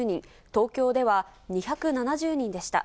東京では２７０人でした。